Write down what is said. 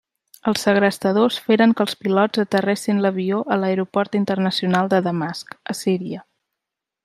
Els segrestadors feren que els pilots aterressin l'avió a l'Aeroport Internacional de Damasc, a Síria.